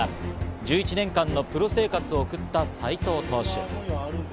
１１年間のプロ生活を送った斎藤投手。